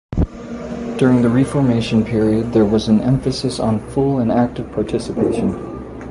During the Reformation period, there was an emphasis on "full and active participation".